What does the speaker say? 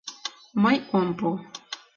Мый ом пу.